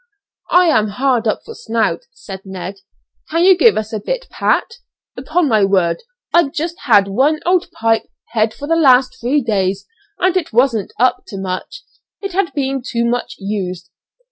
"I am hard up for snout," said Ned, "can you give us a bit, Pat? Upon my word I've just had one old pipe head for the last three days and it wasn't up to much, it had been too much used."